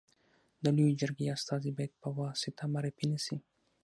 د لويي جرګي استازي باید په واسطه معرفي نه سي.